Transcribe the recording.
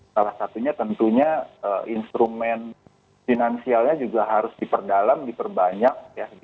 salah satunya tentunya instrumen finansialnya juga harus diperdalam diperbanyak